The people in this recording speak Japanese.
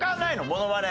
モノマネ。